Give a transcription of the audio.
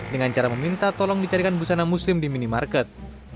dengan cara meminta tolong dicarikan busana muslim di minimarket